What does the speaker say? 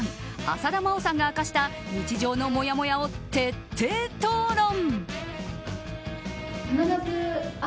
浅田真央さんが明かした日常のもやもやを徹底討論。